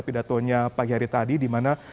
pidatonya pagi hari tadi dimana